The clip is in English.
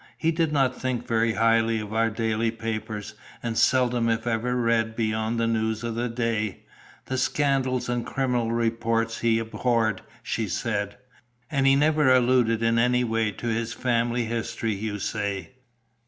"He did not think very highly of our daily papers, and seldom if ever read beyond the news of the day. The scandals and criminal reports he abhorred," she said. "And he never alluded in any way to his family history, you say?